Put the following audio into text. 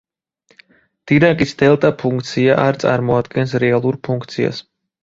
დირაკის დელტა ფუნქცია არ წარმოადგენს რეალურ ფუნქციას.